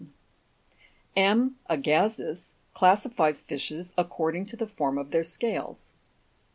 Ansted. M. Agassiz classifies fishes according to the form of their scales.